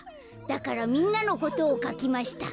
だからみんなのことをかきました。